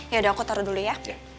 yaudah aku taruh dulu ya